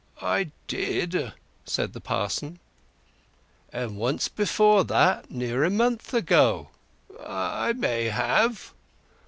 "I did," said the parson. "And once before that—near a month ago." "I may have."